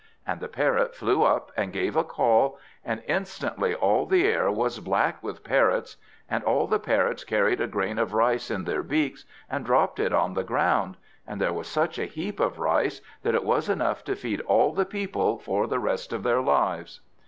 And the Parrot flew up and gave a call, and instantly all the air was black with Parrots. And all the Parrots carried a grain of rice in their beaks, and dropped it on the ground; and there was such a heap of rice, that it was enough to feed all the people for the rest of their lives.